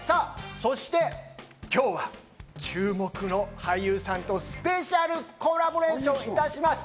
そして今日は注目の俳優さんとスペシャルコラボレーションをいたします。